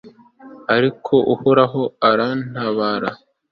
ariko uhoraho arantabara